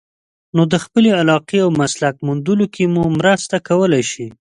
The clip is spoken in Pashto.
نو د خپلې علاقې او مسلک موندلو کې مو مرسته کولای شي.